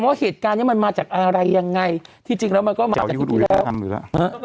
ว่าเหตุการณ์เนี้ยมันมาจากอะไรยังไงที่จริงแล้วมันก็มาจากอาทิตย์ที่แล้วฮะ